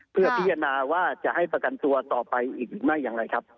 เพื่อพิจารณาว่าจะให้ประกันตัวต่อไปอีกหรือไม่อย่างไรครับ